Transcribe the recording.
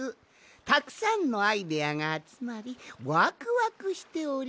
たくさんのアイデアがあつまりワクワクしております！